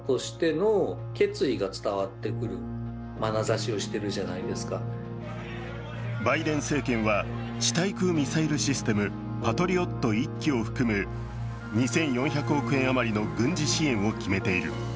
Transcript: しかしバイデン政権は、地対空ミサイルシステム、パトリオット１基を含む２４００億円余りの軍事支援を決めている。